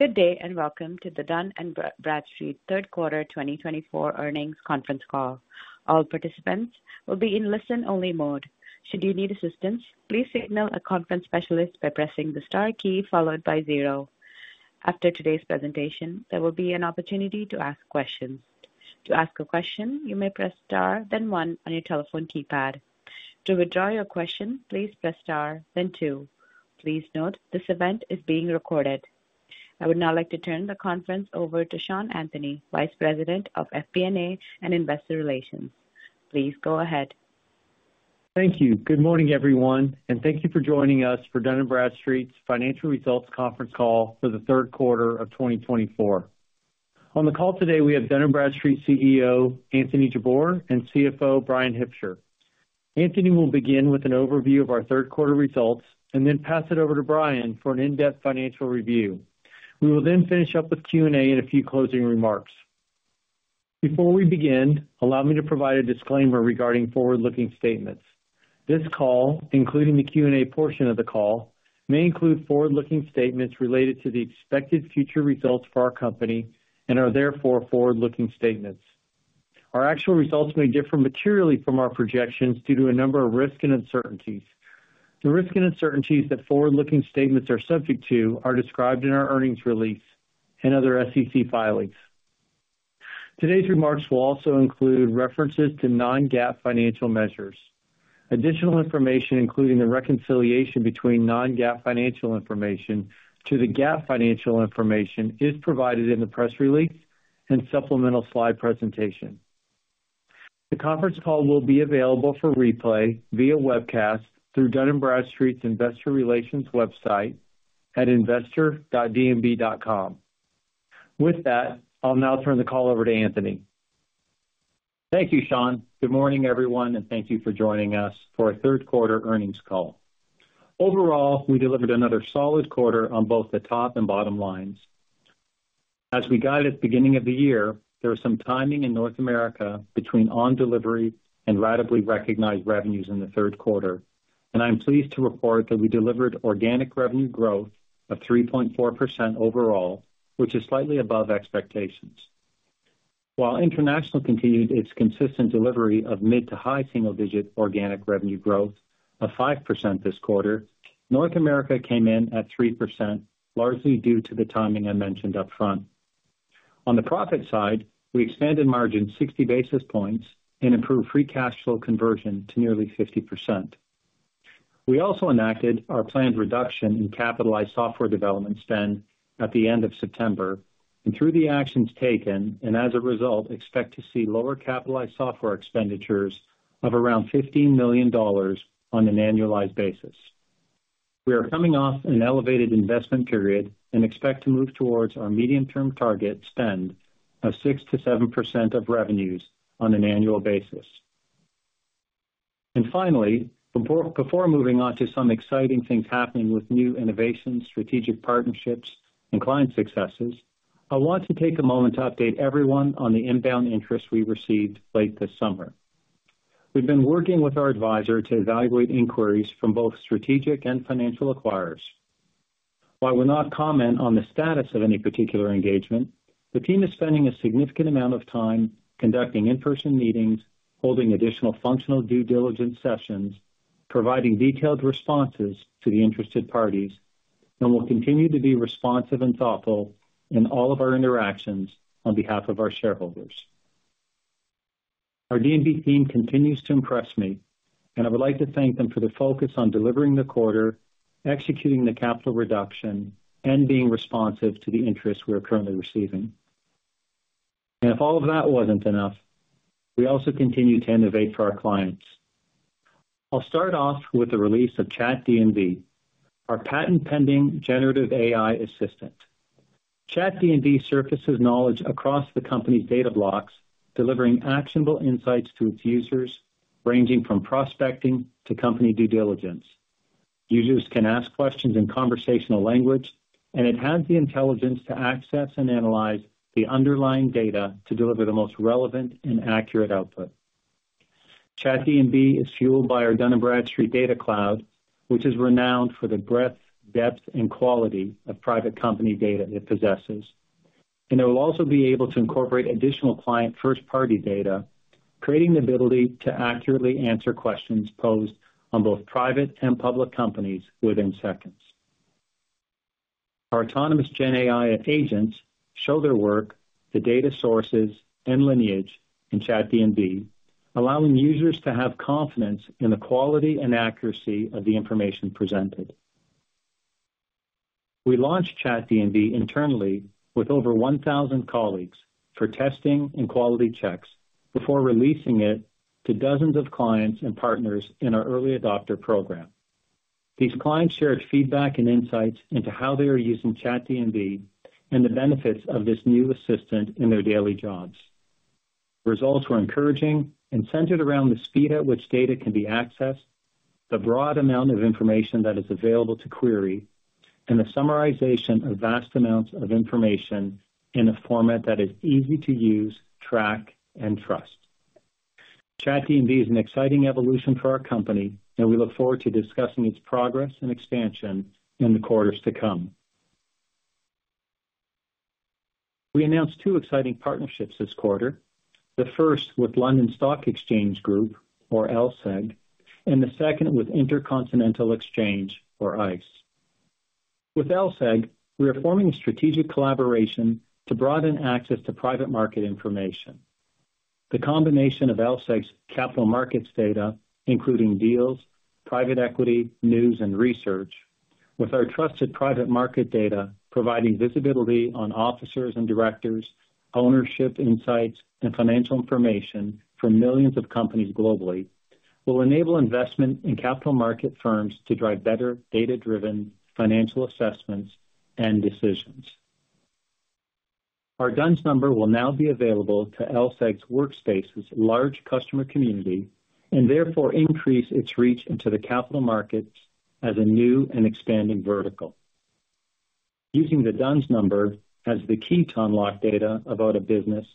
Good day and welcome to the Dun & Bradstreet Q3 2024 Earnings Conference Call. All participants will be in listen-only mode. Should you need assistance, please signal a conference specialist by pressing the star key followed by zero. After today's presentation, there will be an opportunity to ask questions. To ask a question, you may press star, then one on your telephone keypad. To withdraw your question, please press star, then two. Please note this event is being recorded. I would now like to turn the conference over to Sean Anthony, Vice President of FP&A and Investor Relations. Please go ahead. Thank you. Good morning, everyone, and thank you for joining us for Dun & Bradstreet's Financial Results Conference Call for Q3 of 2024. On the call today, we have Dun & Bradstreet CEO Anthony Jabbour and CFO Bryan Hipsher. Anthony will begin with an overview of our Q3 results and then pass it over to Bryan for an in-depth financial review. We will then finish up with Q&A and a few closing remarks. Before we begin, allow me to provide a disclaimer regarding forward-looking statements. This call, including the Q&A portion of the call, may include forward-looking statements related to the expected future results for our company and are therefore forward-looking statements. Our actual results may differ materially from our projections due to a number of risks and uncertainties. The risks and uncertainties that forward-looking statements are subject to are described in our earnings release and other SEC filings. Today's remarks will also include references to non-GAAP financial measures. Additional information, including the reconciliation between non-GAAP financial information to the GAAP financial information, is provided in the press release and supplemental slide presentation. The conference call will be available for replay via webcast through Dun & Bradstreet's Investor Relations website at investor.dnb.com. With that, I'll now turn the call over to Anthony. Thank you, Sean. Good morning, everyone, and thank you for joining us for our Q3 earnings call. Overall, we delivered another solid quarter on both the top and bottom lines. As we noted at the beginning of the year, there was some timing in North America between on-delivery and ratably recognized revenues in Q3, and I'm pleased to report that we delivered organic revenue growth of 3.4% overall, which is slightly above expectations. While international continued its consistent delivery of mid to high single-digit organic revenue growth of 5% this quarter, North America came in at 3%, largely due to the timing I mentioned upfront. On the profit side, we expanded margins 60 basis points and improved free cash flow conversion to nearly 50%. We also enacted our planned reduction in capitalized software development spend at the end of September, and through the actions taken, and as a result, expect to see lower capitalized software expenditures of around $15 million on an annualized basis. We are coming off an elevated investment period and expect to move towards our medium-term target spend of 6%-7% of revenues on an annual basis. And finally, before moving on to some exciting things happening with new innovations, strategic partnerships, and client successes, I want to take a moment to update everyone on the inbound interest we received late this summer. We've been working with our advisor to evaluate inquiries from both strategic and financial acquirers. While we'll not comment on the status of any particular engagement, the team is spending a significant amount of time conducting in-person meetings, holding additional functional due diligence sessions, providing detailed responses to the interested parties, and will continue to be responsive and thoughtful in all of our interactions on behalf of our shareholders. Our D&B team continues to impress me, and I would like to thank them for their focus on delivering the quarter, executing the capital reduction, and being responsive to the interest we are currently receiving. And if all of that wasn't enough, we also continue to innovate for our clients. I'll start off with the release of Chat D&B, our patent-pending generative AI assistant. Chat D&B surfaces knowledge across the company's Data Blocks, delivering actionable insights to its users, ranging from prospecting to company due diligence. Users can ask questions in conversational language, and it has the intelligence to access and analyze the underlying data to deliver the most relevant and accurate output. Chat D&B is fueled by our Dun & Bradstreet Data Cloud, which is renowned for the breadth, depth, and quality of private company data it possesses, and it will also be able to incorporate additional client first-party data, creating the ability to accurately answer questions posed on both private and public companies within seconds. Our autonomous GenAI agents show their work, the data sources, and lineage in Chat D&B, allowing users to have confidence in the quality and accuracy of the information presented. We launched Chat D&B internally with over 1,000 colleagues for testing and quality checks before releasing it to dozens of clients and partners in our early adopter program. These clients shared feedback and insights into how they are using Chat D&B and the benefits of this new assistant in their daily jobs. Results were encouraging and centered around the speed at which data can be accessed, the broad amount of information that is available to query, and the summarization of vast amounts of information in a format that is easy to use, track, and trust. Chat D&B is an exciting evolution for our company, and we look forward to discussing its progress and expansion in the quarters to come. We announced two exciting partnerships this quarter, the first with London Stock Exchange Group, or LSEG, and the second with Intercontinental Exchange, or ICE. With LSEG, we are forming a strategic collaboration to broaden access to private market information. The combination of LSEG's capital markets data, including deals, private equity, news, and research, with our trusted private market data providing visibility on officers and directors, ownership insights, and financial information from millions of companies globally, will enable investment in capital market firms to drive better data-driven financial assessments and decisions. Our D-U-N-S Number will now be available to LSEG's Workspace's large customer community, and therefore increase its reach into the capital markets as a new and expanding vertical. Using the D-U-N-S Number as the key to unlock data about a business,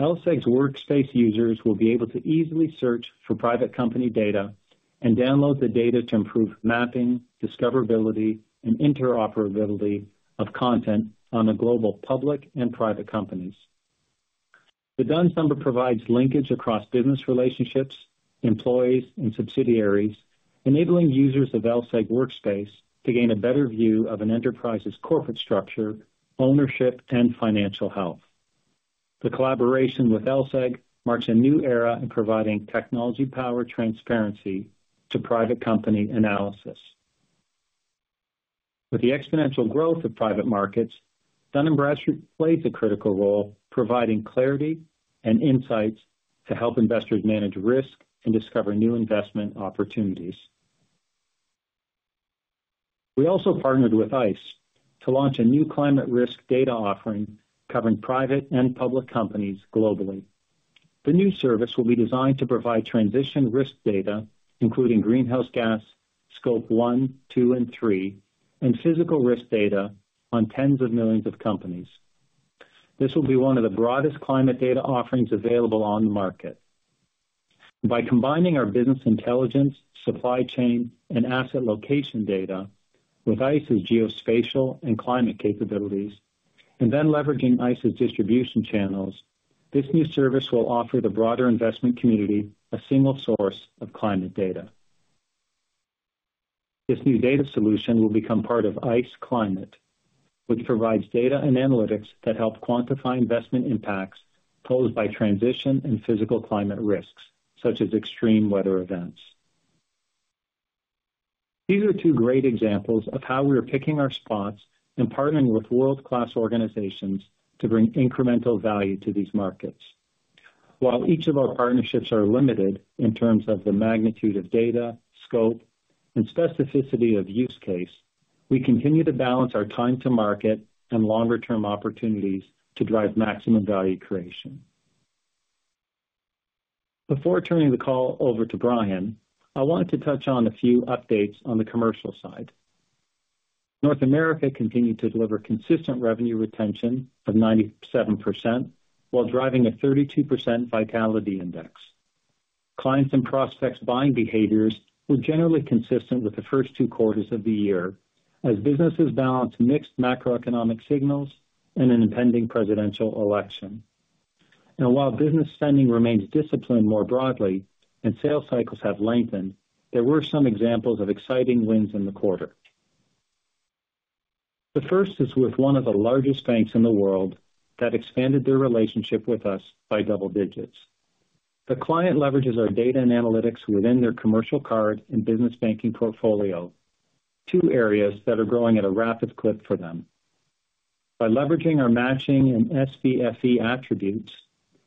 LSEG's Workspace users will be able to easily search for private company data and download the data to improve mapping, discoverability, and interoperability of content on the global public and private companies. The D-U-N-S Number provides linkage across business relationships, employees, and subsidiaries, enabling users of LSEG Workspace to gain a better view of an enterprise's corporate structure, ownership, and financial health. The collaboration with LSEG marks a new era in providing technology power transparency to private company analysis. With the exponential growth of private markets, Dun & Bradstreet plays a critical role, providing clarity and insights to help investors manage risk and discover new investment opportunities. We also partnered with ICE to launch a new climate risk data offering covering private and public companies globally. The new service will be designed to provide transition risk data, including Greenhouse Gas, Scope 1, 2, and 3, and physical risk data on tens of millions of companies. This will be one of the broadest climate data offerings available on the market. By combining our business intelligence, supply chain, and asset location data with ICE's geospatial and climate capabilities, and then leveraging ICE's distribution channels, this new service will offer the broader investment community a single source of climate data. This new data solution will become part of ICE Climate, which provides data and analytics that help quantify investment impacts posed by transition and physical climate risks, such as extreme weather events. These are two great examples of how we are picking our spots and partnering with world-class organizations to bring incremental value to these markets. While each of our partnerships are limited in terms of the magnitude of data, scope, and specificity of use case, we continue to balance our time to market and longer-term opportunities to drive maximum value creation. Before turning the call over to Bryan, I wanted to touch on a few updates on the commercial side. North America continued to deliver consistent revenue retention of 97% while driving a 32% Vitality Index. Clients and prospects' buying behaviors were generally consistent with the first two quarters of the year, as businesses balanced mixed macroeconomic signals and an impending presidential election. And while business spending remains disciplined more broadly and sales cycles have lengthened, there were some examples of exciting wins in the quarter. The first is with one of the largest banks in the world that expanded their relationship with us by double digits. The client leverages our data and analytics within their commercial card and business banking portfolio, two areas that are growing at a rapid clip for them. By leveraging our matching and SBFE attributes,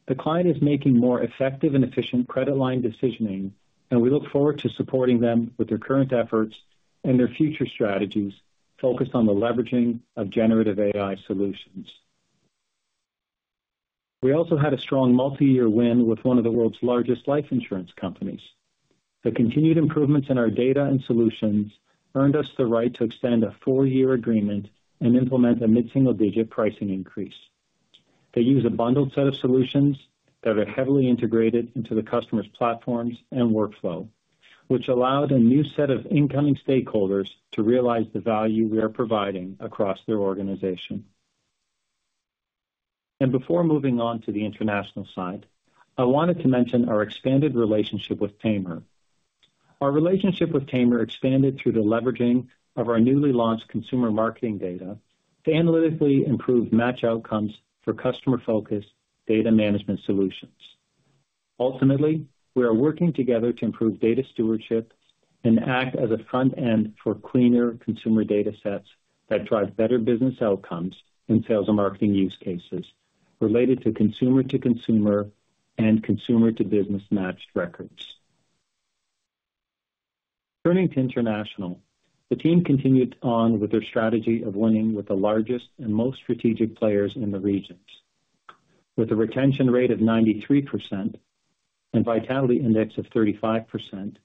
the client is making more effective and efficient credit line decisioning, and we look forward to supporting them with their current efforts and their future strategies focused on the leveraging of generative AI solutions. We also had a strong multi-year win with one of the world's largest life insurance companies. The continued improvements in our data and solutions earned us the right to extend a four-year agreement and implement a mid-single-digit pricing increase. They use a bundled set of solutions that are heavily integrated into the customer's platforms and workflow, which allowed a new set of incoming stakeholders to realize the value we are providing across their organization, and before moving on to the international side, I wanted to mention our expanded relationship with Tamr. Our relationship with Tamr expanded through the leveraging of our newly launched consumer marketing data to analytically improve match outcomes for customer-focused data management solutions. Ultimately, we are working together to improve data stewardship and act as a front end for cleaner consumer data sets that drive better business outcomes in sales and marketing use cases related to consumer-to-consumer and consumer-to-business matched records. Turning to international, the team continued on with their strategy of winning with the largest and most strategic players in the regions. With a retention rate of 93% and Vitality Index of 35%,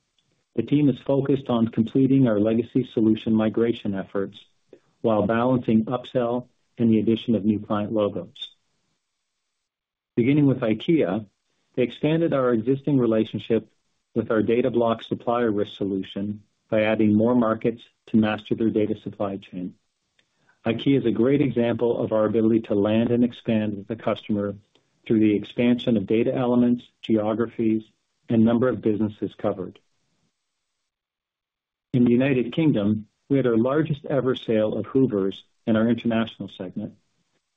the team is focused on completing our legacy solution migration efforts while balancing upsell and the addition of new client logos. Beginning with IKEA, they expanded our existing relationship with our D&B Supplier Risk solution by adding more markets to master their data supply chain. IKEA is a great example of our ability to land and expand with the customer through the expansion of data elements, geographies, and number of businesses covered. In the United Kingdom, we had our largest ever sale of Hoovers in our international segment.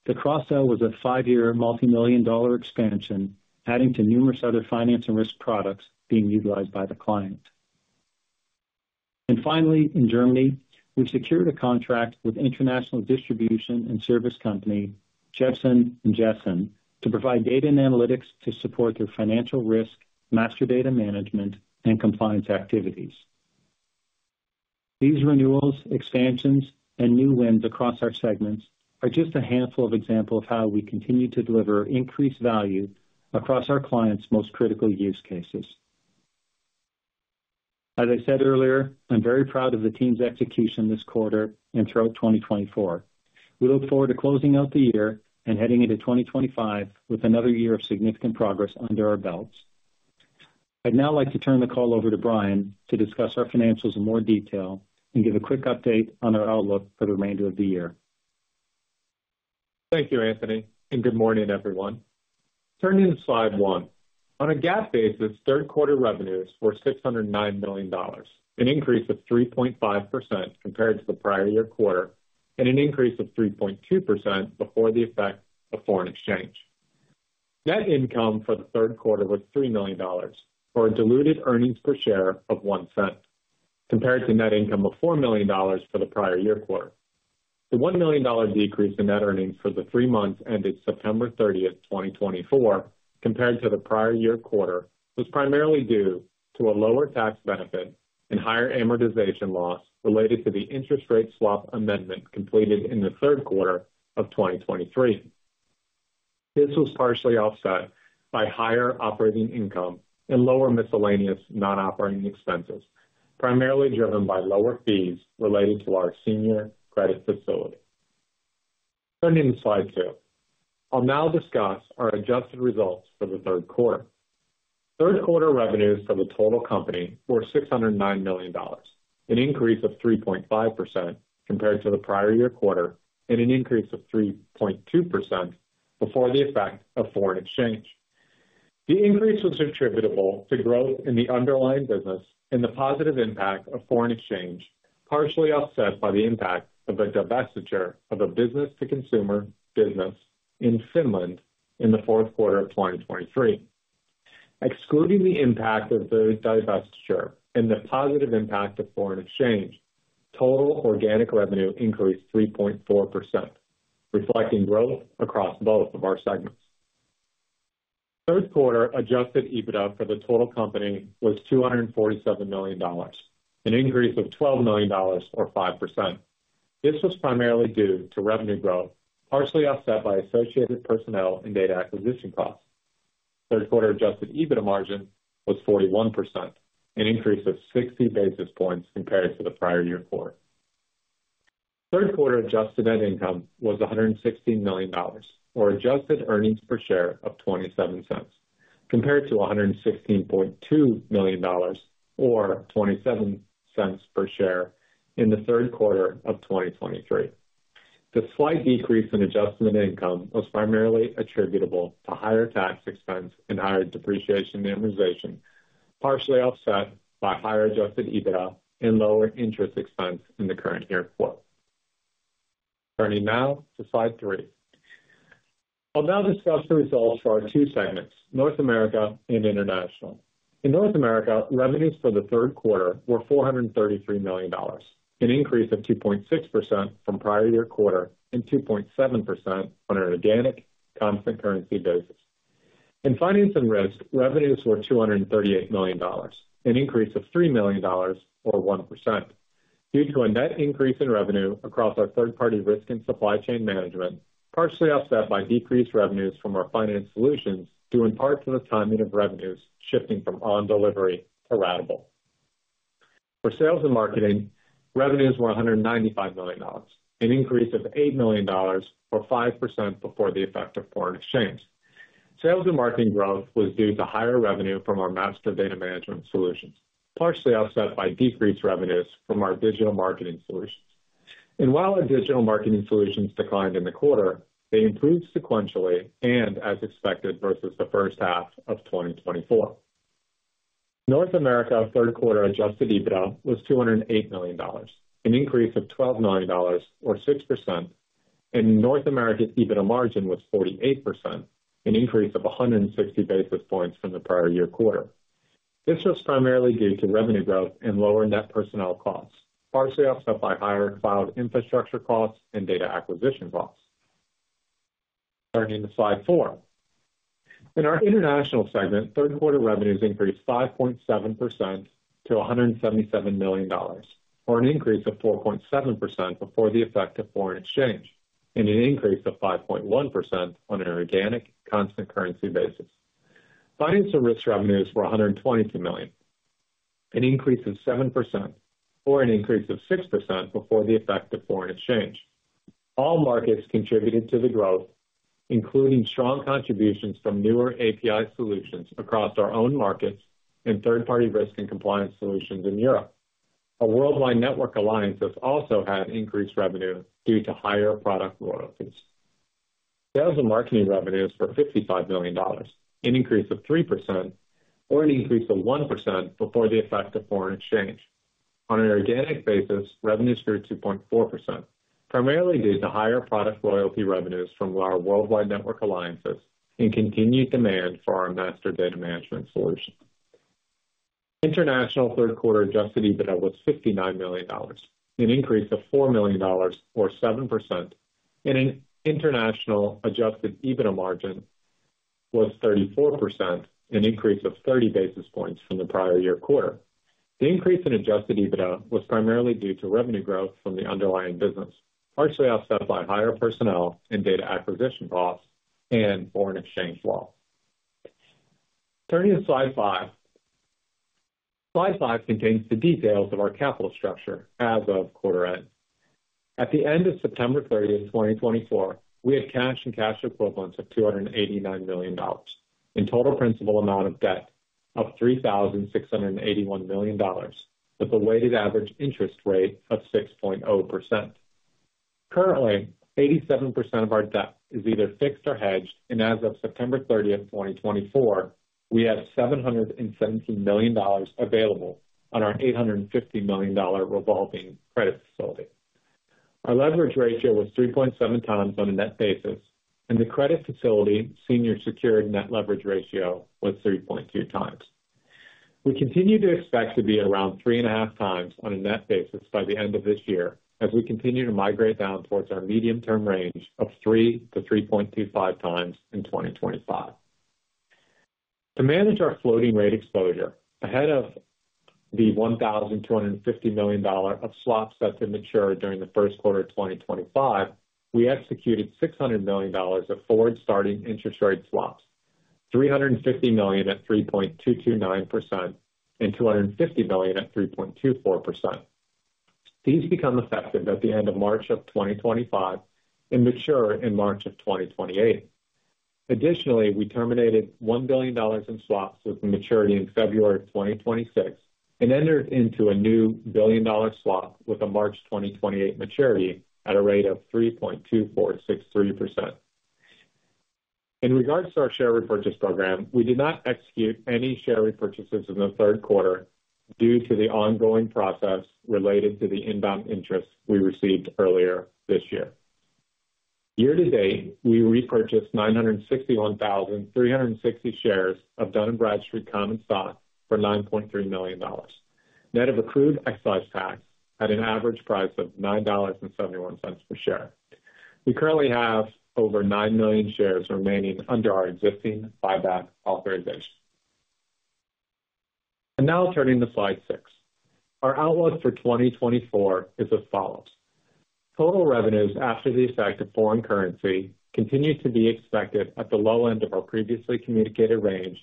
The cross-sale was a five-year multi-million dollar expansion, adding to numerous other finance and risk products being utilized by the client. And finally, in Germany, we secured a contract with international distribution and service company Jebsen & Jessen to provide data and analytics to support their financial risk, master data management, and compliance activities. These renewals, expansions, and new wins across our segments are just a handful of examples of how we continue to deliver increased value across our clients' most critical use cases. As I said earlier, I'm very proud of the team's execution this quarter and throughout 2024. We look forward to closing out the year and heading into 2025 with another year of significant progress under our belts. I'd now like to turn the call over to Bryan to discuss our financials in more detail and give a quick update on our outlook for the remainder of the year. Thank you, Anthony, and good morning, everyone. Turning to slide one, on a GAAP basis, third quarter revenues were $609 million, an increase of 3.5% compared to the prior year quarter, and an increase of 3.2% before the effect of foreign exchange. Net income for the third quarter was $3 million, for a diluted earnings per share of $0.01, compared to net income of $4 million for the prior year quarter. The $1 million decrease in net earnings for the three months ended September 30, 2024, compared to the prior year quarter, was primarily due to a lower tax benefit and higher amortization loss related to the interest rate swap amendment completed in the third quarter of 2023. This was partially offset by higher operating income and lower miscellaneous non-operating expenses, primarily driven by lower fees related to our senior credit facility. Turning to slide two, I'll now discuss our adjusted results for the third quarter. Third quarter revenues for the total company were $609 million, an increase of 3.5% compared to the prior year quarter, and an increase of 3.2% before the effect of foreign exchange. The increase was attributable to growth in the underlying business and the positive impact of foreign exchange, partially offset by the impact of a divestiture of a business-to-consumer business in Finland in the fourth quarter of 2023. Excluding the impact of the divestiture and the positive impact of foreign exchange, total organic revenue increased 3.4%, reflecting growth across both of our segments. Third quarter adjusted EBITDA for the total company was $247 million, an increase of $12 million, or 5%. This was primarily due to revenue growth, partially offset by associated personnel and data acquisition costs. Third quarter adjusted EBITDA margin was 41%, an increase of 60 basis points compared to the prior year quarter. Third quarter adjusted net income was $116 million, or adjusted earnings per share of $0.27, compared to $116.2 million, or $0.27 per share in the third quarter of 2023. The slight decrease in adjusted net income was primarily attributable to higher tax expense and higher depreciation amortization, partially offset by higher adjusted EBITDA and lower interest expense in the current year quarter. Turning now to slide three, I'll now discuss the results for our two segments, North America and International. In North America, revenues for the third quarter were $433 million, an increase of 2.6% from prior year quarter and 2.7% on an organic constant currency basis. In finance and risk, revenues were $238 million, an increase of $3 million, or 1%, due to a net increase in revenue across our third-party risk and supply chain management, partially offset by decreased revenues from our finance solutions due in part to the timing of revenues shifting from on-delivery to ratable. For sales and marketing, revenues were $195 million, an increase of $8 million, or 5% before the effect of foreign exchange. Sales and marketing growth was due to higher revenue from our master data management solutions, partially offset by decreased revenues from our digital marketing solutions, and while our digital marketing solutions declined in the quarter, they improved sequentially and as expected versus the first half of 2024. North America's third quarter adjusted EBITDA was $208 million, an increase of $12 million, or 6%, and North America's EBITDA margin was 48%, an increase of 160 basis points from the prior year quarter. This was primarily due to revenue growth and lower net personnel costs, partially offset by higher cloud infrastructure costs and data acquisition costs. Turning to slide four, in our international segment, third quarter revenues increased 5.7% to $177 million, or an increase of 4.7% before the effect of foreign exchange, and an increase of 5.1% on an organic constant currency basis. Finance and risk revenues were $122 million, an increase of 7%, or an increase of 6% before the effect of foreign exchange. All markets contributed to the growth, including strong contributions from newer API solutions across our own markets and third-party risk and compliance solutions in Europe. A Worldwide Network alliance has also had increased revenue due to higher product royalties. Sales and marketing revenues were $55 million, an increase of 3%, or an increase of 1% before the effect of foreign exchange. On an organic basis, revenues grew 2.4%, primarily due to higher product loyalty revenues from our Worldwide Network alliances and continued demand for our master data management solution. International third quarter adjusted EBITDA was $59 million, an increase of $4 million, or 7%, and an international adjusted EBITDA margin was 34%, an increase of 30 basis points from the prior year quarter. The increase in adjusted EBITDA was primarily due to revenue growth from the underlying business, partially offset by higher personnel and data acquisition costs and foreign exchange loss. Turning to slide five, slide five contains the details of our capital structure as of quarter end. At the end of September 30, 2024, we had cash and cash equivalents of $289 million and total principal amount of debt of $3,681 million with a weighted average interest rate of 6.0%. Currently, 87% of our debt is either fixed or hedged, and as of September 30, 2024, we had $717 million available on our $850 million revolving credit facility. Our leverage ratio was 3.7 times on a net basis, and the credit facility senior secured net leverage ratio was 3.2 times. We continue to expect to be around three and a half times on a net basis by the end of this year as we continue to migrate down towards our medium-term range of 3-3.25 times in 2025. To manage our floating rate exposure ahead of the $1,250 million of swaps that did mature during the first quarter of 2025, we executed $600 million of forward-starting interest rate swaps, $350 million at 3.229% and $250 million at 3.24%. These become effective at the end of March of 2025 and mature in March of 2028. Additionally, we terminated $1 billion in swaps with maturity in February of 2026 and entered into a new billion-dollar swap with a March 2028 maturity at a rate of 3.2463%. In regards to our share repurchase program, we did not execute any share repurchases in the third quarter due to the ongoing process related to the inbound interest we received earlier this year. Year to date, we repurchased 961,360 shares of Dun & Bradstreet Common Stock for $9.3 million, net of accrued excise tax at an average price of $9.71 per share. We currently have over nine million shares remaining under our existing buyback authorization, and now turning to slide 6, our outlook for 2024 is as follows. Total revenues after the effect of foreign currency continue to be expected at the low end of our previously communicated range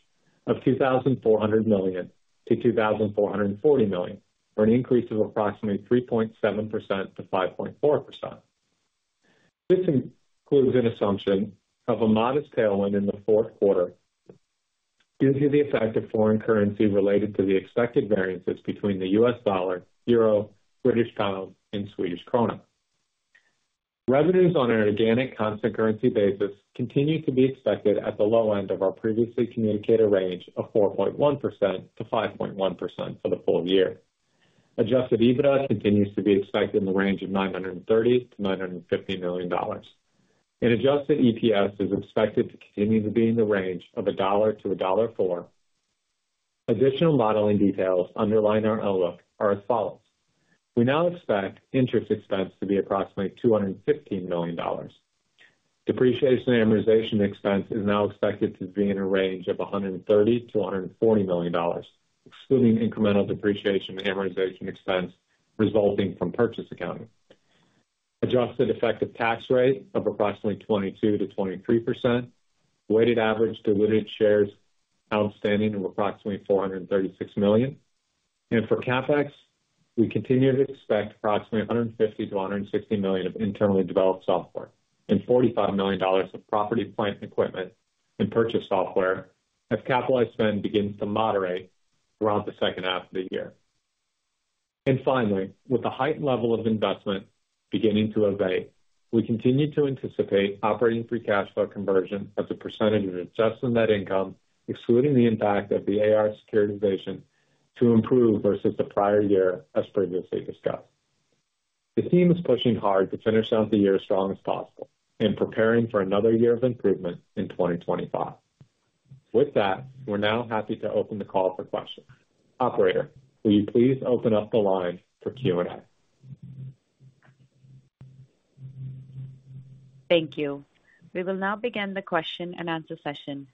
of $2,400 million-$2,440 million, or an increase of approximately 3.7%-5.4%. This includes an assumption of a modest tailwind in the fourth quarter due to the effect of foreign currency related to the expected variances between the U.S. dollar, euro, British pound, and Swedish krona. Revenues on an organic constant currency basis continue to be expected at the low end of our previously communicated range of 4.1%-5.1% for the full year. Adjusted EBITDA continues to be expected in the range of $930-$950 million. An Adjusted EPS is expected to continue to be in the range of $1-$1.04. Additional modeling details underline our outlook are as follows. We now expect interest expense to be approximately $215 million. Depreciation amortization expense is now expected to be in a range of $130-$140 million, excluding incremental depreciation amortization expense resulting from purchase accounting. Adjusted effective tax rate of approximately 22%-23%, weighted average diluted shares outstanding of approximately $436 million. And for CapEx, we continue to expect approximately $150-$160 million of internally developed software and $45 million of property plant equipment and purchased software as capital spend begins to moderate around the second half of the year. Finally, with the heightened level of investment beginning to abate, we continue to anticipate operating free cash flow conversion as a percentage of adjusted net income, excluding the impact of the AR securitization to improve versus the prior year as previously discussed. The team is pushing hard to finish out the year as strong as possible and preparing for another year of improvement in 2025. With that, we're now happy to open the call for questions. Operator, will you please open up the line for Q&A? Thank you. We will now begin the question and answer session.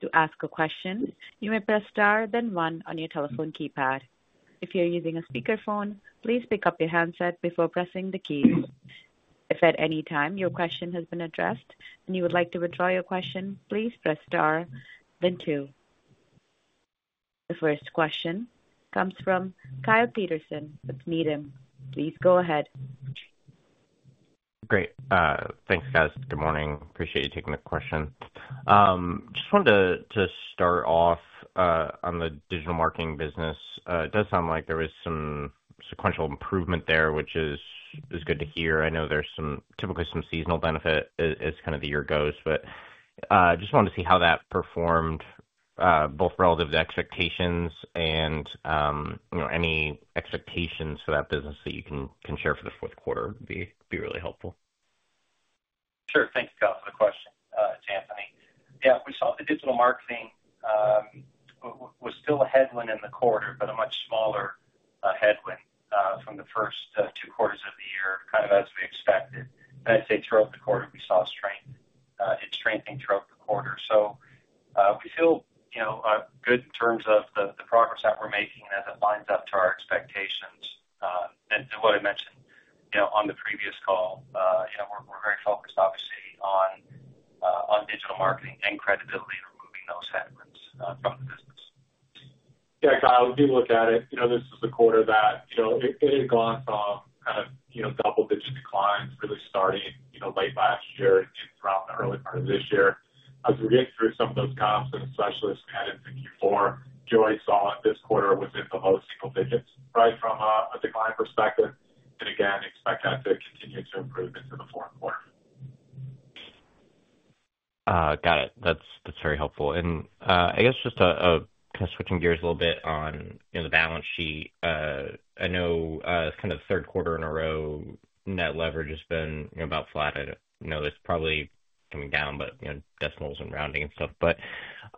To ask a question, you may press star then one on your telephone keypad. If you're using a speakerphone, please pick up your handset before pressing the keys. If at any time your question has been addressed and you would like to withdraw your question, please press star then two. The first question comes from Kyle Peterson with Needham. Please go ahead. Great. Thanks, guys. Good morning. Appreciate you taking the question. Just wanted to start off on the digital marketing business. It does sound like there was some sequential improvement there, which is good to hear. I know there's typically some seasonal benefit as kind of the year goes, but I just wanted to see how that performed both relative to expectations and any expectations for that business that you can share for the fourth quarter would be really helpful. Sure. Thank you, Kyle, for the question, Anthony. Yeah, we saw the digital marketing was still a headwind in the quarter, but a much smaller headwind from the first two quarters of the year, kind of as we expected. And I'd say throughout the quarter, we saw strength in strengthening throughout the quarter. So we feel good in terms of the progress that we're making and as it lines up to our expectations. And what I mentioned on the previous call, we're very focused, obviously, on digital marketing and credibility and removing those headwinds from the business. Yeah, Kyle, we do look at it. This is a quarter that it had gone from kind of double-digit declines really starting late last year and throughout the early part of this year. As we're getting through some of those comps and specialists we had in Q4, we saw this quarter was in the low single digits right from a decline perspective, and again, expect that to continue to improve into the fourth quarter. Got it. That's very helpful. And I guess just kind of switching gears a little bit on the balance sheet, I know kind of third quarter in a row, net leverage has been about flat. I know it's probably coming down, but decimals and rounding and stuff. But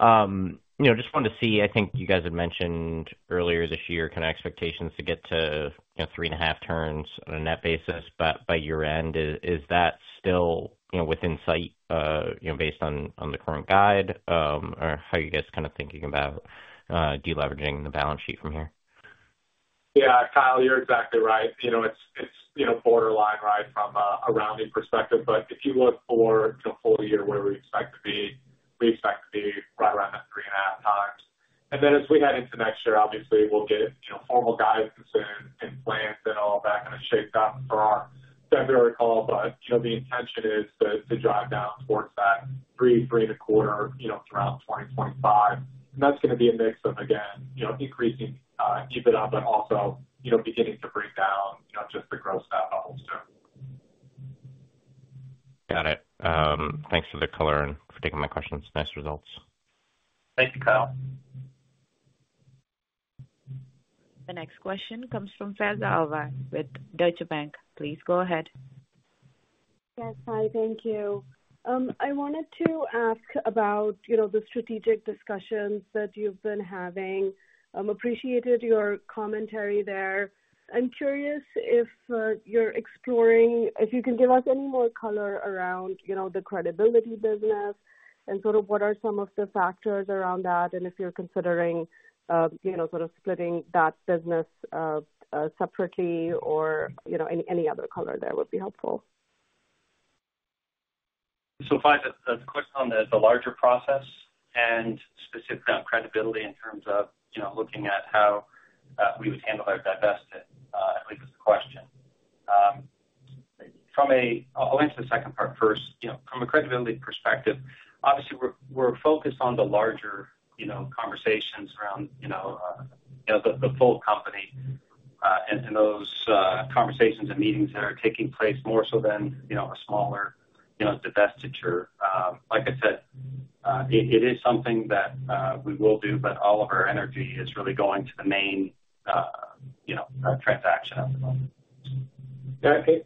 just wanted to see, I think you guys had mentioned earlier this year kind of expectations to get to three and a half turns on a net basis, but by year-end, is that still within sight based on the current guide or how you guys kind of thinking about deleveraging the balance sheet from here? Yeah, Kyle, you're exactly right. It's borderline right from a rounding perspective. But if you look for the full year where we expect to be, we expect to be right around that three and a half times. And then as we head into next year, obviously, we'll get formal guidance and plans and all of that kind of shaped up for our February call. But the intention is to drive down towards that three, three and a quarter throughout 2025. And that's going to be a mix of, again, increasing EBITDA, but also beginning to bring down just the gross net level soon. Got it. Thanks for the color and for taking my questions. Nice results. Thank you, Kyle. The next question comes from Faiza Alwy with Deutsche Bank. Please go ahead. Yes, hi, thank you. I wanted to ask about the strategic discussions that you've been having. Appreciated your commentary there. I'm curious if you're exploring if you can give us any more color around the credibility business and sort of what are some of the factors around that, and if you're considering sort of splitting that business separately or any other color there would be helpful? So Faiza, the question on the larger process and specifically on credibility in terms of looking at how we would handle our divestment, I think was the question. I'll answer the second part first. From a credibility perspective, obviously, we're focused on the larger conversations around the full company and those conversations and meetings that are taking place more so than a smaller divestiture. Like I said, it is something that we will do, but all of our energy is really going to the main transaction at the moment. Faiza,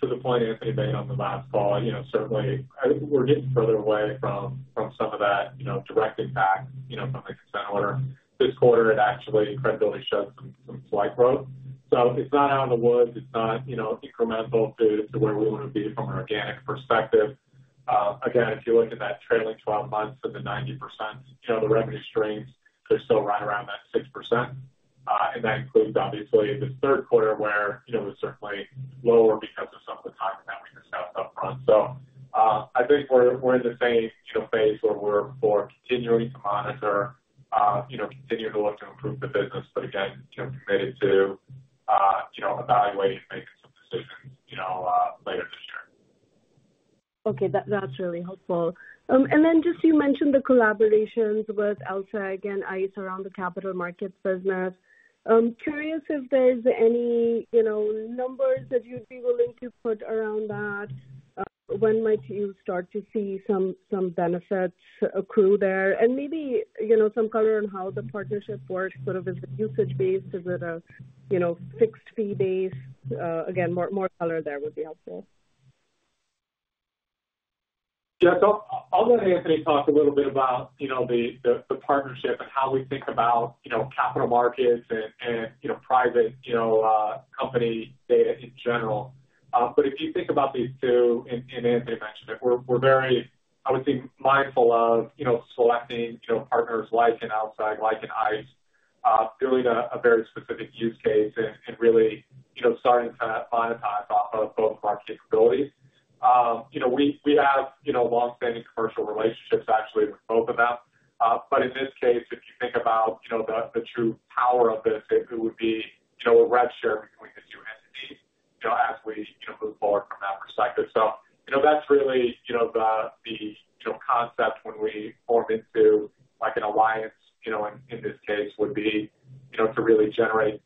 to the point Anthony made on the last call, certainly, we're getting further away from some of that direct impact from the consent order. This quarter, it actually credibility showed some slight growth. So it's not out of the woods. It's not incremental to where we want to be from an organic perspective. Again, if you look at that trailing 12 months and the 90%, the revenue streams, they're still right around that 6%. And that includes, obviously, the third quarter where it was certainly lower because of some of the timing that we discussed upfront. So I think we're in the same phase where we're for continuing to monitor, continue to look to improve the business, but again, committed to evaluating and making some decisions later this year. Okay. That's really helpful. And then just you mentioned the collaborations with LSEG and ICE around the capital markets business. Curious if there's any numbers that you'd be willing to put around that. When might you start to see some benefits accrue there? And maybe some color on how the partnership works, sort of is it usage-based? Is it a fixed fee-based? Again, more color there would be helpful. Yeah. So I'll let Anthony talk a little bit about the partnership and how we think about capital markets and private company data in general. But if you think about these two, and Anthony mentioned it, we're very, I would say, mindful of selecting partners like LSEG, like an ICE, doing a very specific use case and really starting to monetize off of both of our capabilities. We have long-standing commercial relationships actually with both of them. But in this case, if you think about the true power of this, it would be a revenue share between the two entities as we move forward from that perspective. So that's really the concept when we form into an alliance in this case would be to really generate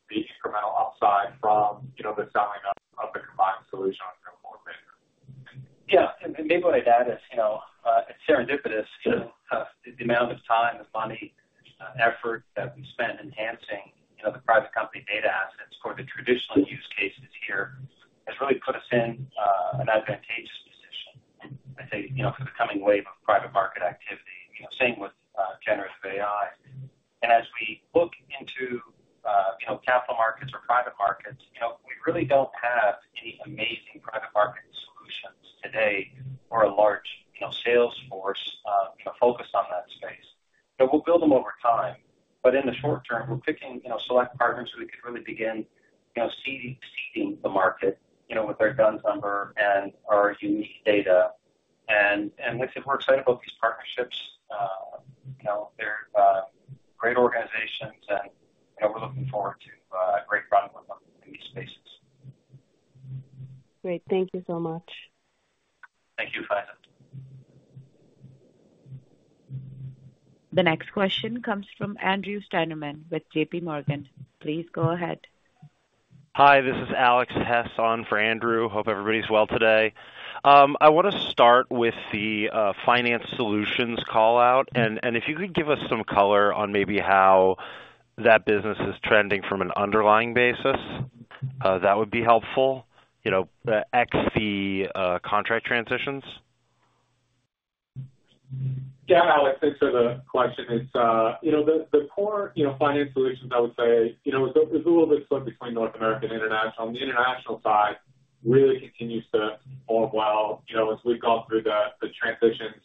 Yeah, Alex, thanks for the question. The core finance solutions, I would say, is a little bit split between North America and international. On the international side, really continues to perform well as we've gone through the transitions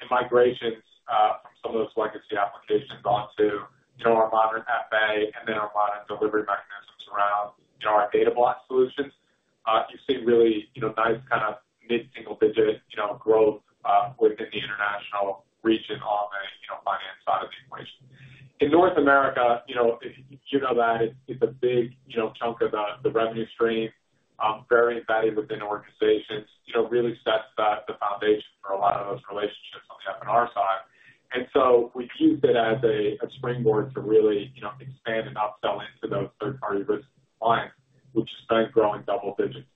and migrations from some of those legacy applications onto our modern FP&A and then our modern delivery mechanisms around our Data Cloud solutions. You see really nice kind of mid-single-digit growth within the international region on the finance side of the equation. In North America, you know that it's a big chunk of the revenue stream, very embedded within organizations, really sets the foundation for a lot of those relationships on the F&R side. And so we've used it as a springboard to really expand and upsell into those third-party risk lines, which has been growing double digits.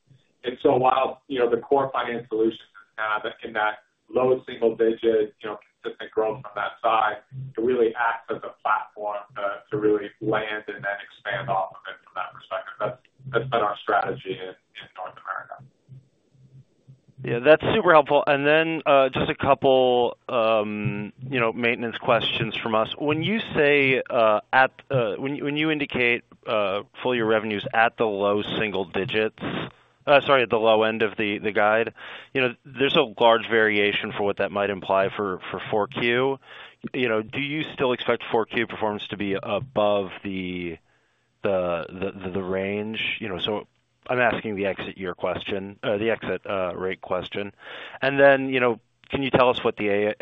And so while the core finance solutions have had that low single-digit consistent growth on that side, it really acts as a platform to really land and then expand off of it from that perspective. That's been our strategy in North America. Yeah, that's super helpful. And then just a couple of maintenance questions from us. When you say when you indicate full year revenues at the low single digits, sorry, at the low end of the guide, there's a large variation for what that might imply for 4Q. Do you still expect 4Q performance to be above the range? So I'm asking the exit year question, the exit rate question. And then can you tell us what the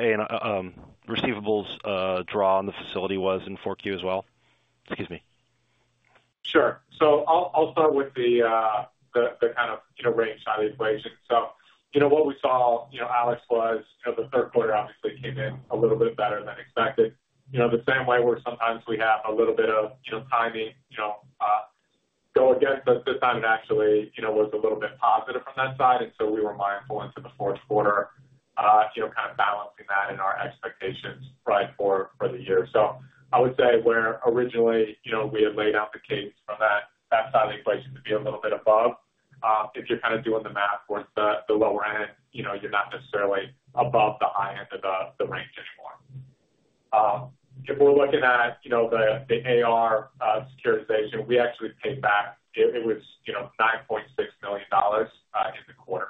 receivables draw on the facility was in 4Q as well? Excuse me. Sure. So I'll start with the kind of range side of the equation. So what we saw, Alex, was the third quarter obviously came in a little bit better than expected. The same way where sometimes we have a little bit of timing go against us, this time it actually was a little bit positive from that side. And so we were mindful into the fourth quarter, kind of balancing that in our expectations right for the year. So I would say where originally we had laid out the case for that side of the equation to be a little bit above, if you're kind of doing the math towards the lower end, you're not necessarily above the high end of the range anymore. If we're looking at the AR securitization, we actually paid back. It was $9.6 million in the quarter.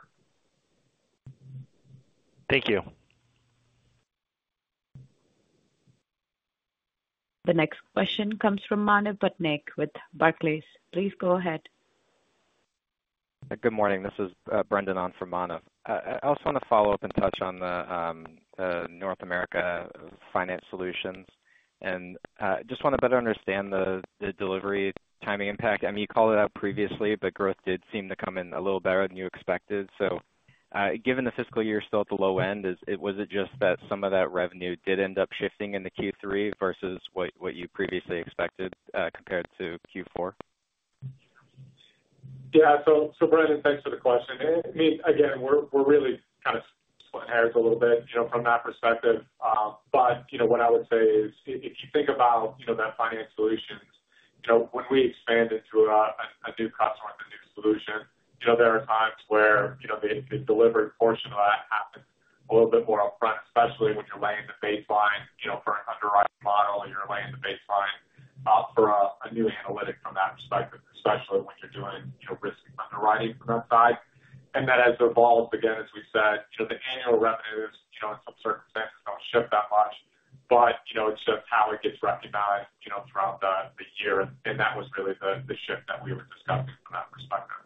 Thank you. The next question comes from Manav Patnaik with Barclays. Please go ahead. Good morning. This is Brendan on for Manav. I also want to follow up and touch on the North America finance solutions, and I just want to better understand the delivery timing impact. I mean, you called it out previously, but growth did seem to come in a little better than you expected. Given the fiscal year is still at the low end, was it just that some of that revenue did end up shifting in the Q3 versus what you previously expected compared to Q4? Yeah. So, Brendan, thanks for the question. I mean, again, we're really kind of splitting hairs a little bit from that perspective. But what I would say is if you think about that finance solutions, when we expand into a new customer with a new solution, there are times where the delivery portion of that happens a little bit more upfront, especially when you're laying the baseline for an underwriting model, you're laying the baseline for a new analytic from that perspective, especially when you're doing risk underwriting from that side. And then as it evolves, again, as we said, the annual revenues in some circumstances don't shift that much, but it's just how it gets recognized throughout the year. And that was really the shift that we were discussing from that perspective.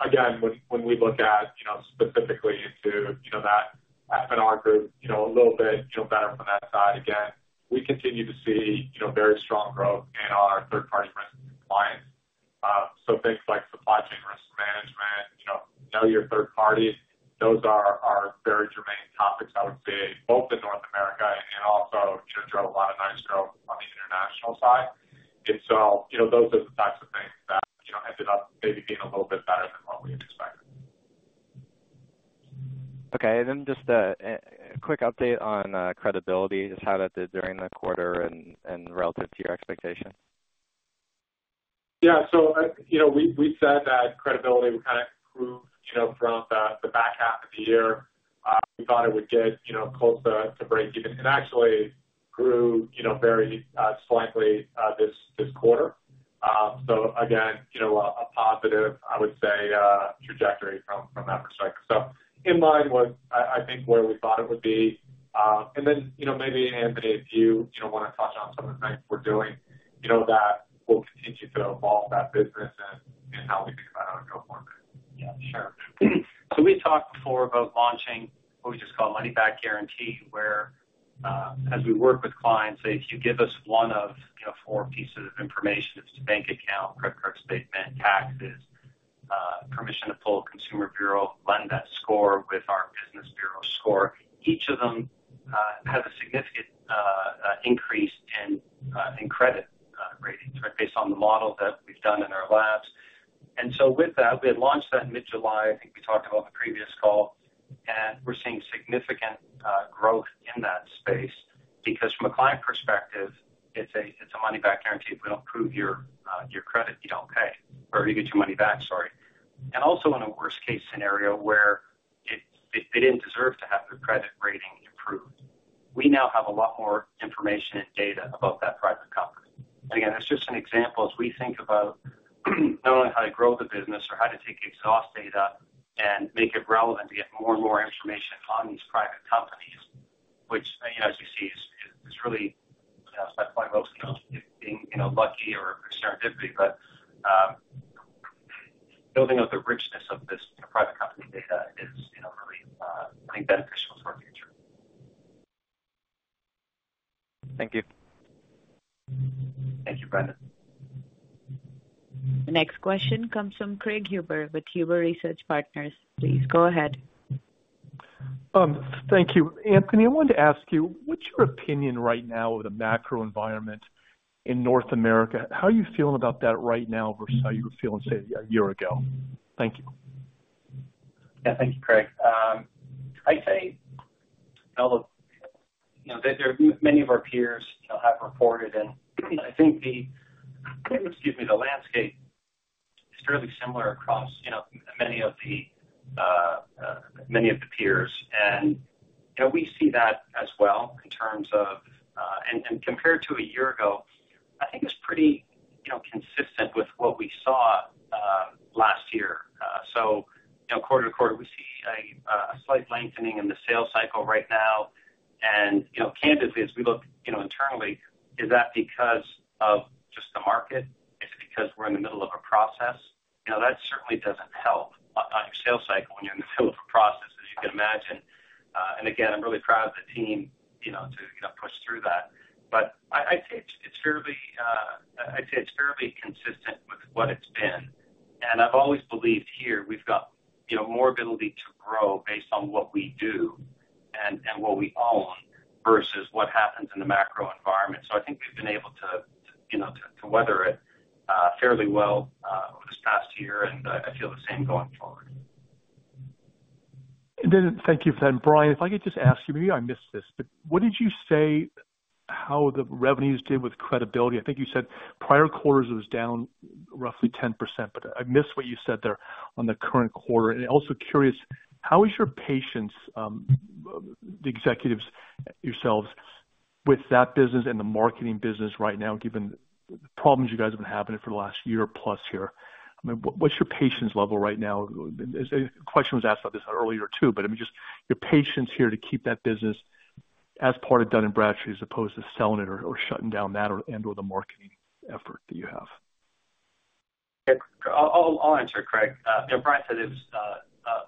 Again, when we look at specifically into that F&R group a little bit better from that side, again, we continue to see very strong growth in our third-party risk compliance. So things like supply chain risk management, know your third party, those are very germane topics, I would say, both in North America and also drove a lot of nice growth on the international side. And so those are the types of things that ended up maybe being a little bit better than what we expected. Okay. And then just a quick update on credibility, just how that did during the quarter and relative to your expectation. Yeah. So we said that credibility would kind of improve throughout the back half of the year. We thought it would get close to break even and actually grew very slightly this quarter. So again, a positive, I would say, trajectory from that perspective. So in line with, I think, where we thought it would be. And then maybe, Anthony, if you want to touch on some of the things we're doing that will continue to evolve that business and how we think about how to go forward. Yeah. Sure. So we talked before about launching what we just call a money-back guarantee where, as we work with clients, say, if you give us one of four pieces of information, it's a bank account, credit card statement, taxes, permission to pull Consumer Bureau, link that score with our business bureau score. Each of them has a significant increase in credit ratings based on the model that we've done in our labs. And so with that, we had launched that in mid-July. I think we talked about the previous call. And we're seeing significant growth in that space because from a client perspective, it's a money-back guarantee. If we don't improve your credit, you don't pay or you get your money back, sorry. Also in a worst-case scenario where they didn't deserve to have their credit rating improved, we now have a lot more information and data about that private company. Again, that's just an example as we think about not only how to grow the business or how to take exhaust data and make it relevant to get more and more information on these private companies, which, as you see, is really by far mostly not being lucky or serendipity, but building up the richness of this private company data is really, I think, beneficial for our future. Thank you. Thank you, Brendan. The next question comes from Craig Huber with Huber Research Partners. Please go ahead. Thank you. Anthony, I wanted to ask you, what's your opinion right now of the macro environment in North America? How are you feeling about that right now versus how you were feeling, say, a year ago? Thank you. Yeah. Thank you, Craig. I'd say there are many of our peers have reported, and I think the, excuse me, the landscape is fairly similar across many of the peers, and we see that as well in terms of, and compared to a year ago, I think it's pretty consistent with what we saw last year, so quarter to quarter, we see a slight lengthening in the sales cycle right now. Candidly, as we look internally, is that because of just the market? It's because we're in the middle of a process. That certainly doesn't help on your sales cycle when you're in the middle of a process, as you can imagine, and again, I'm really proud of the team to push through that, but I'd say it's fairly consistent with what it's been. And I've always believed here we've got more ability to grow based on what we do and what we own versus what happens in the macro environment. So I think we've been able to weather it fairly well over this past year, and I feel the same going forward. Thank you for that. Bryan, if I could just ask you, maybe I missed this, but what did you say how the revenues did with credibility? I think you said prior quarters it was down roughly 10%, but I missed what you said there on the current quarter. And also curious, how is your patience, the executives yourselves, with that business and the marketing business right now, given the problems you guys have been having for the last year plus here? I mean, what's your patience level right now? The question was asked about this earlier too, but I mean, just your patience here to keep that business as part of Dun & Bradstreet as opposed to selling it or shutting down that and/or the marketing effort that you have. I'll answer, Craig. Bryan said it was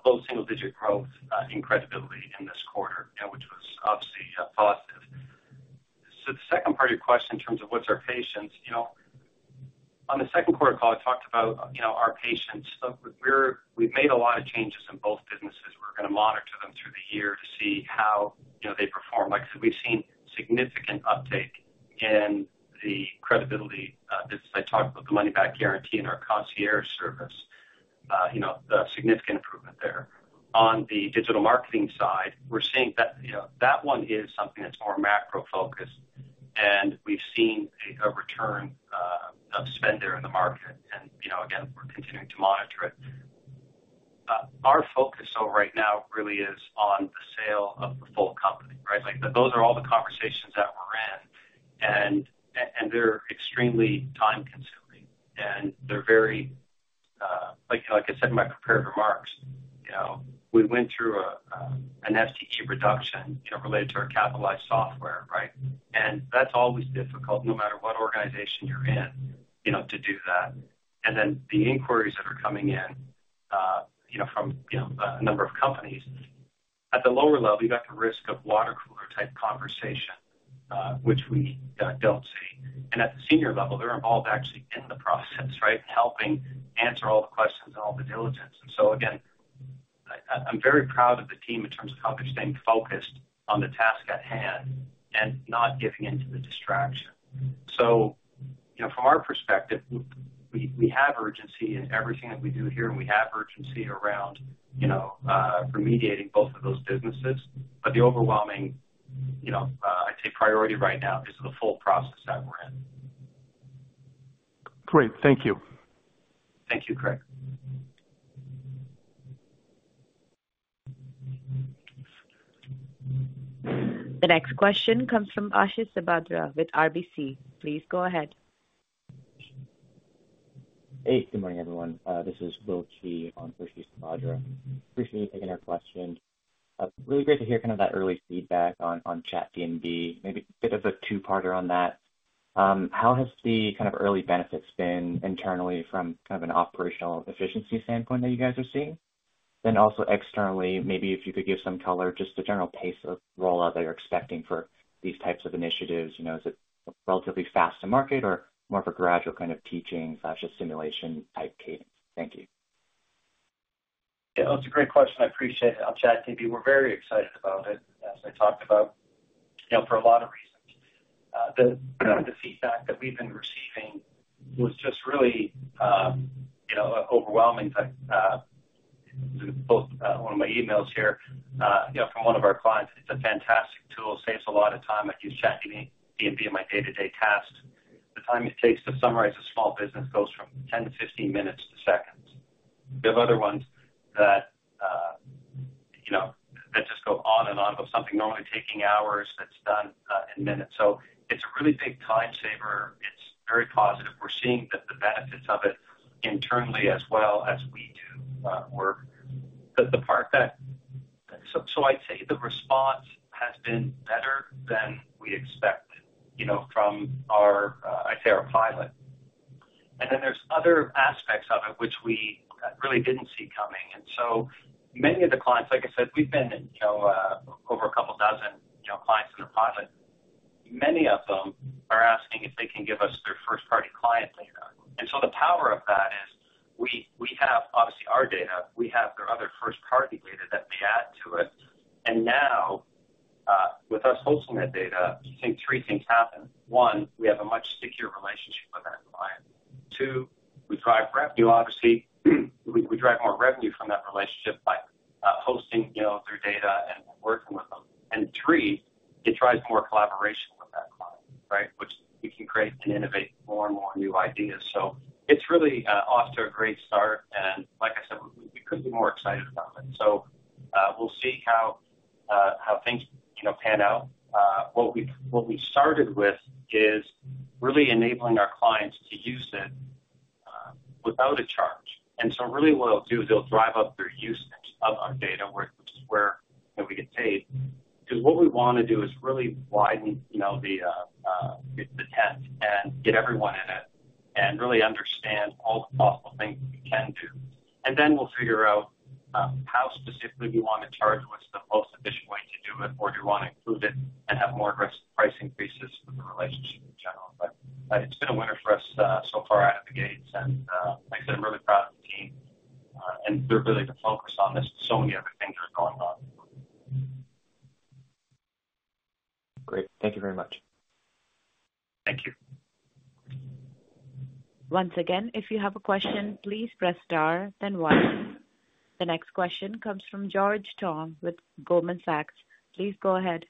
low single-digit growth in Credit Intelligence in this quarter, which was obviously positive. So the second part of your question in terms of what's our patience, on the second quarter call, I talked about our patience. We've made a lot of changes in both businesses. We're going to monitor them through the year to see how they perform. Like I said, we've seen significant uptake in the Credit Intelligence business. I talked about the money-back guarantee and our concierge service, a significant improvement there. On the digital marketing side, we're seeing that that one is something that's more macro-focused, and we've seen a return of spend there in the market. And again, we're continuing to monitor it. Our focus, though, right now really is on the sale of the full company, right? Those are all the conversations that we're in, and they're extremely time-consuming. And they're very, like I said in my prepared remarks, we went through an FTE reduction related to our capitalized software, right? And that's always difficult, no matter what organization you're in, to do that. And then the inquiries that are coming in from a number of companies, at the lower level, you've got the risk of water cooler-type conversation, which we don't see. And at the senior level, they're involved actually in the process, right, in helping answer all the questions and all the diligence. And so again, I'm very proud of the team in terms of how they're staying focused on the task at hand and not giving in to the distraction. So from our perspective, we have urgency in everything that we do here, and we have urgency around remediating both of those businesses. But the overwhelming, I'd say, priority right now is the full process that we're in. Great. Thank you. Thank you, Craig. The next question comes from Ashish Sabadra with RBC. Please go ahead. Hey. Good morning, everyone. This is [Seth Wilkie] on Ashish Sabadra. Appreciate you taking our question. Really great to hear kind of that early feedback on Chat D&B, maybe a bit of a two-parter on that. How has the kind of early benefits been internally from kind of an operational efficiency standpoint that you guys are seeing? Then also externally, maybe if you could give some color, just the general pace of rollout that you're expecting for these types of initiatives. Is it relatively fast to market or more of a gradual kind of teaching/assimilation-type cadence? Thank you. Yeah. That's a great question. I appreciate it on Chat D&B. We're very excited about it, as I talked about, for a lot of reasons. The feedback that we've been receiving was just really overwhelming. Both one of my emails here from one of our clients. It's a fantastic tool. Saves a lot of time. I use Chat D&B in my day-to-day tasks. The time it takes to summarize a small business goes from 10 to 15 minutes to seconds. We have other ones that just go on and on, but something normally taking hours that's done in minutes. So it's a really big time saver. It's very positive. We're seeing the benefits of it internally as well as we do work. So I'd say the response has been better than we expected from, I'd say, our pilot. And then there's other aspects of it which we really didn't see coming. Many of the clients, like I said, we've been in over a couple dozen clients in the pilot. Many of them are asking if they can give us their first-party client data. The power of that is we have obviously our data. We have their other first-party data that they add to it. Now, with us hosting that data, I think three things happen. One, we have a much secure relationship with that client. Two, we drive revenue. Obviously, we drive more revenue from that relationship by hosting their data and working with them. Three, it drives more collaboration with that client, right, which we can create and innovate more and more new ideas. It's really off to a great start. Like I said, we couldn't be more excited about it. We'll see how things pan out. What we started with is really enabling our clients to use it without a charge, and so really what it'll do is it'll drive up their usage of our data, which is where we get paid. Because what we want to do is really widen the tent and get everyone in it and really understand all the possible things we can do, and then we'll figure out how specifically we want to charge, what's the most efficient way to do it, or do we want to include it and have more aggressive price increases for the relationship in general, but it's been a winner for us so far out of the gates, and like I said, I'm really proud of the team, and they're really the focus on this, so many other things are going on. Great. Thank you very much. Thank you. Once again, if you have a question, please press star, then one. The next question comes from George Tong with Goldman Sachs. Please go ahead.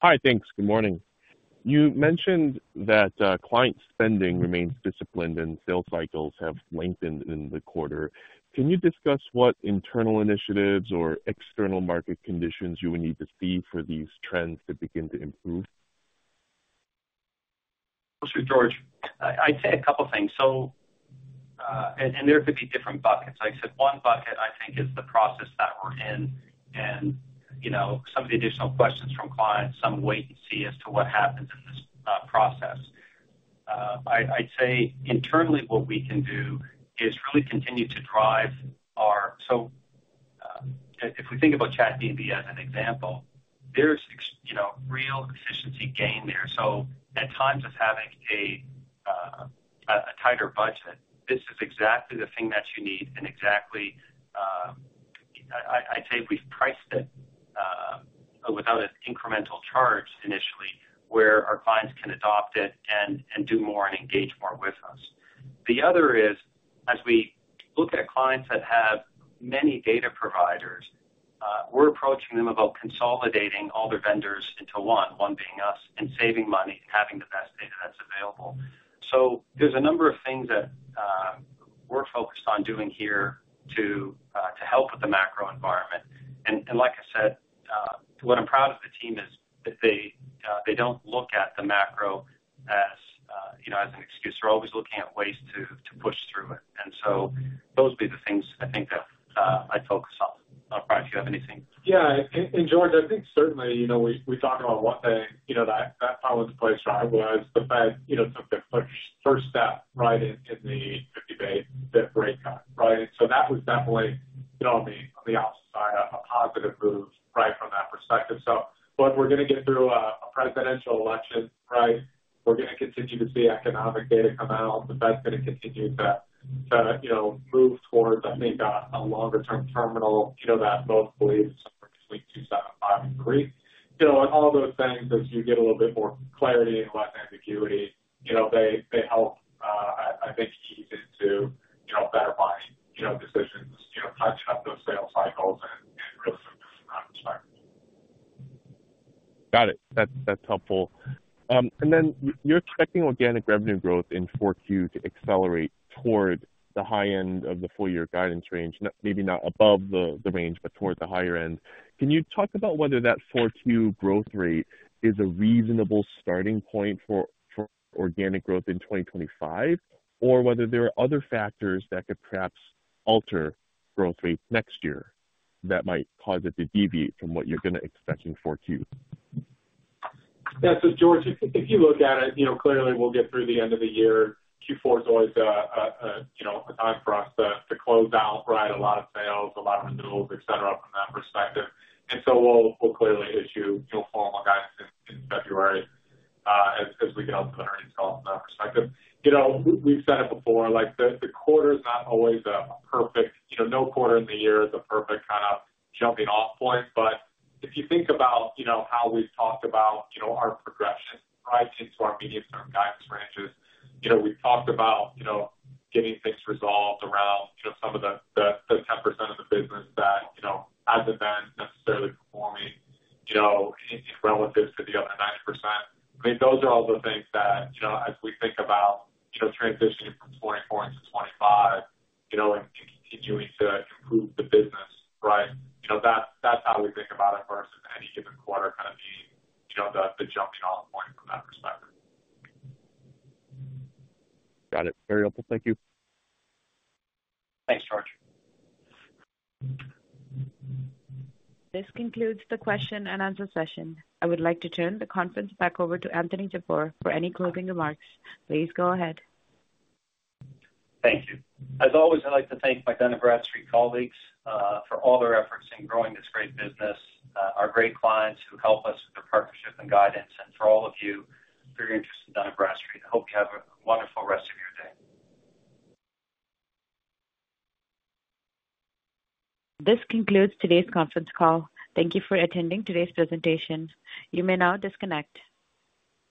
Hi. Thanks. Good morning. You mentioned that client spending remains disciplined and sales cycles have lengthened in the quarter. Can you discuss what internal initiatives or external market conditions you would need to see for these trends to begin to improve? I'll say George. I'd say a couple of things, and there could be different buckets. Like I said, one bucket I think is the process that we're in, and some of the additional questions from clients, some wait and see as to what happens in this process. I'd say internally, what we can do is really continue to drive our, so if we think about Chat D&B as an example, there's real efficiency gain there, so at times, it's having a tighter budget. This is exactly the thing that you need and exactly, I'd say, we've priced it without an incremental charge initially where our clients can adopt it and do more and engage more with us. The other is, as we look at clients that have many data providers, we're approaching them about consolidating all their vendors into one, one being us, and saving money and having the best data that's available. So there's a number of things that we're focused on doing here to help with the macro environment. And like I said, what I'm proud of the team is that they don't look at the macro as an excuse. They're always looking at ways to push through it. And so those would be the things I think that I'd focus on. Bryan, do you have anything? Yeah. And George, I think certainly we talked about one thing that put power into place right away was the fact the Fed took the first step right in the 50 basis points cut, right? And so that was definitely, on the opposite side, a positive move right from that perspective. So look, we're going to get through a presidential election, right? We're going to continue to see economic data come out. The Fed's going to continue to move towards, I think, a longer-term terminal that most believe is somewhere between 2.75 and 3. And all those things, as you get a little bit more clarity and less ambiguity, they help, I think, ease into better buying decisions, tightening up those sales cycles really soon from that perspective. Got it. That's helpful. And then you're expecting organic revenue growth in 4Q to accelerate toward the high end of the full-year guidance range, maybe not above the range, but toward the higher end. Can you talk about whether that 4Q growth rate is a reasonable starting point for organic growth in 2025, or whether there are other factors that could perhaps alter growth rates next year that might cause it to deviate from what you're going to expect in 4Q? Yeah. So George, if you look at it, clearly, we'll get through the end of the year. Q4 is always a time for us to close out, right? A lot of sales, a lot of renewals, etc., from that perspective. And so we'll clearly issue formal guidance in February as we get out to the earnings call from that perspective. We've said it before, the quarter is not always a perfect. No quarter in the year is a perfect kind of jumping-off point. But if you think about how we've talked about our progression, right, into our medium-term guidance ranges, we've talked about getting things resolved around some of the 10% of the business that hasn't been necessarily performing relative to the other 90%. I mean, those are all the things that, as we think about transitioning from 2024 into 2025 and continuing to improve the business, right? That's how we think about it versus any given quarter kind of being the jumping-off point from that perspective. Got it. Very helpful. Thank you. Thanks, George. This concludes the question and answer session. I would like to turn the conference back over to Anthony Jabbour for any closing remarks. Please go ahead. Thank you. As always, I'd like to thank my Dun & Bradstreet colleagues for all their efforts in growing this great business, our great clients who help us with their partnership and guidance, and for all of you for your interest in Dun & Bradstreet. I hope you have a wonderful rest of your day. This concludes today's conference call. Thank you for attending today's presentation. You may now disconnect.